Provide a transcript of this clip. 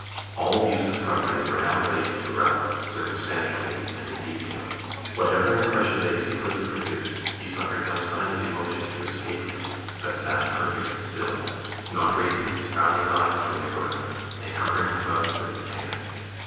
All these discoveries were now related to Ralph, circumstantially, and in detail. Whatever impression they secretly produced, he suffered no sign of emotion to escape him, but sat perfectly still, not raising his frowning eyes from the ground, and covering his mouth with his hand.